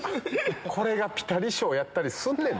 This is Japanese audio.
これがピタリ賞やったりすんねん。